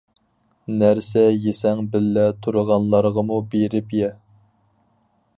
نەرسە يېسەڭ بىللە تۇرغانلارغىمۇ بېرىپ يە.